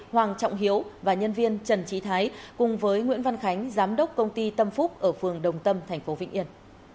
hoàng trọng hiếu và nhân viên trần trí thái cùng với nguyễn văn khánh giám đốc công ty tâm phúc ở phường đồng tâm tp vĩnh yên